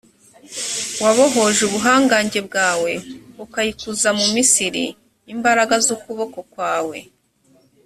wabohoje ubuhangange bwawe, ukayikuza mu misiri imbaraga z’ukuboko kwawe.